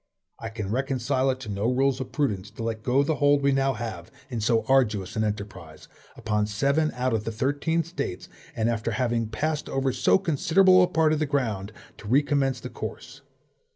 I can reconcile it to no rules of prudence to let go the hold we now have, in so arduous an enterprise, upon seven out of the thirteen States, and after having passed over so considerable a part of the ground, to recommence the course.